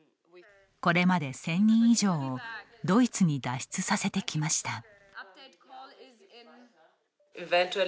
これまで１０００人以上をドイツに脱出させてきました。